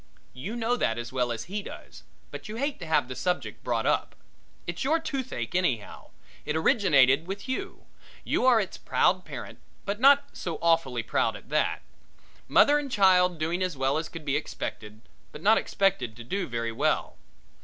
You know that as well as he does, but you hate to have the subject brought up. It's your toothache anyhow. It originated with you. You are its proud parent but not so awfully proud at that. Mother and child doing as well as could be expected, but not expected to do very well.